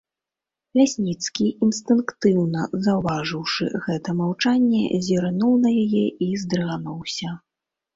Лясніцкі, інстынктыўна заўважыўшы гэта маўчанне, зірнуў на яе і здрыгануўся.